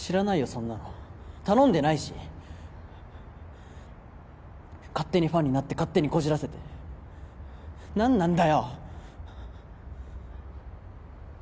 そんなの頼んでないし勝手にファンになって勝手にこじらせて何なんだよ！